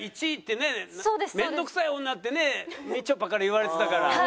１位ってね面倒くさい女ってねみちょぱから言われてたから。